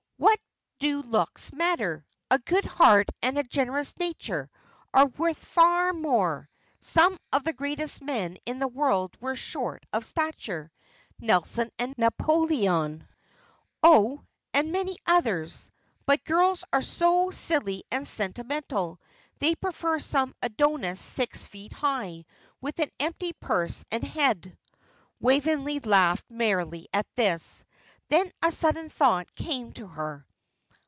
"What do looks matter? A good heart, and a generous nature, are worth far more. Some of the greatest men in the world were short of stature. Nelson and Napoleon oh! and many others. But girls are so silly and sentimental, they prefer some Adonis six feet high, with an empty purse and head." Waveney laughed merrily at this. Then a sudden thought came to her.